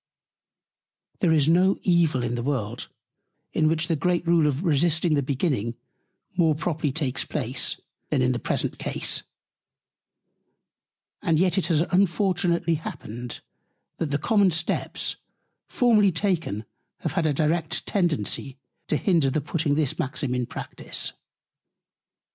There is no Evil in the World, in which the great Rule of Resisting the Beginning, more properly takes Place, than in the present Case; and yet it has unfortunately happened, that the common Steps formerly taken have had a direct Tendency to hinder the putting this Maxim in Practice.